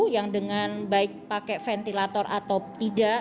yang dengan baik pakai ventilator atau tidak